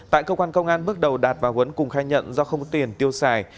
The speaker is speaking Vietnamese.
tại cơ quan công an bước đầu đạt và huấn cùng khai nhận do không có tiền tiêu xài